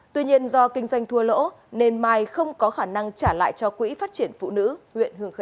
tuy nhiên do kinh doanh thua lỗ nên mai không có khả năng trả lại cho quỹ phát triển phụ nữ huyện hương khê